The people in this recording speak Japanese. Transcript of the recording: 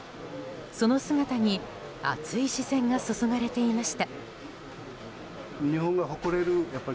その姿に熱い視線が注がれていました。